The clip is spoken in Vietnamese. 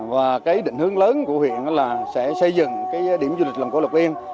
và cái định hướng lớn của huyện là sẽ xây dựng cái điểm du lịch làng cổ lộc yên